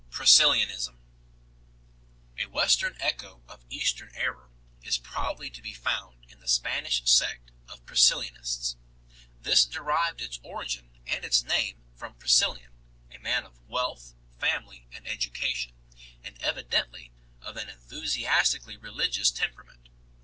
V. Priscillianism. A Western echo of Eastern error is probably to be found in the Spanish sect of Priscillianists. This derived its origin and its name from Priscillian *, a man of wealth, family and education 2 , and evidently of an enthusiastically religious temperament.